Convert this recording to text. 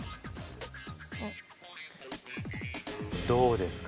どうですか？